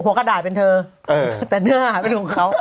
กระดาษเป็นเธอแต่เนื้อหาเป็นของเขา